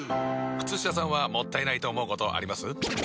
靴下さんはもったいないと思うことあります？